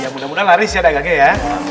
mudah mudahan laris ya gage ya